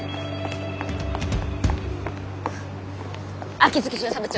秋月巡査部長。